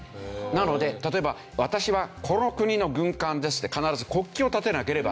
なので例えば私はこの国の軍艦ですって必ず国旗を立てなければいけない。